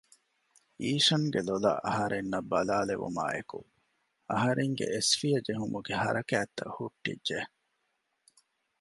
އީޝަންގެ ލޮލަށް އަހަރެންނަށް ބަލާލެވުމާއެކު އަހަރެންގެ އެސްފިޔަ ޖެހުމުގެ ހަރަކާތް ހުއްޓިއްޖެ